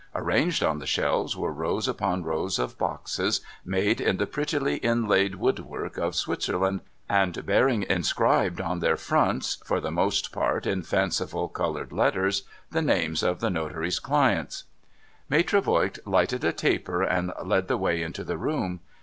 Arranged on the shelves, were rows upon rows of boxes made in the pretty inlaid woodwork of Switzerland, and bearing inscribed on their fronts (for the most part in fanciful coloured letters) the names of the notary's clients. Maitre Voigt lighted a taper, and led the way into the room.